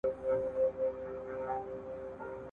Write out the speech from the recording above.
ادئب څنګه ادب رامنځته کوي؟